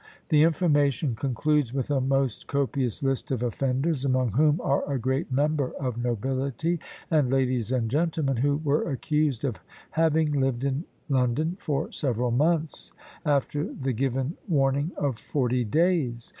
The information concludes with a most copious list of offenders, among whom are a great number of nobility, and ladies and gentlemen, who were accused of having lived in London for several months after the given warning of forty days.